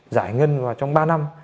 giải ngân vào trong ba năm